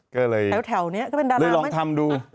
ก็เลยเลยลองทำดูแถวเนี่ย